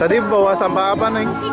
tadi bawa sampah apa nih